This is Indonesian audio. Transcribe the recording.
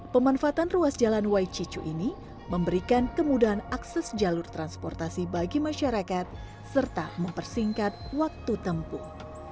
pemanfaatan ruas jalan wai cicu ini memberikan kemudahan akses jalur transportasi bagi masyarakat serta mempersingkat waktu tempuh